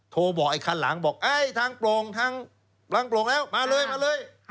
โทรบอกไอ้คันหลังบอกทางโปร่งทางบางโปร่งแล้วมาเลยมาเลย